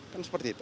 kan seperti itu